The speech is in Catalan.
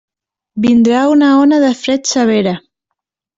Vindrà una ona de fred severa.